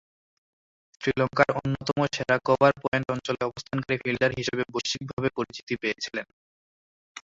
শ্রীলঙ্কার অন্যতম সেরা কভার পয়েন্ট অঞ্চলে অবস্থানকারী ফিল্ডার হিসেবে বৈশ্বিকভাবে পরিচিতি পেয়েছিলেন।